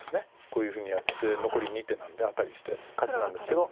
こういうふうにやって残り２手なのでアタリして勝ちなんですけど。